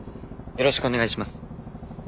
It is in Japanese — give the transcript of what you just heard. よろしくお願いします。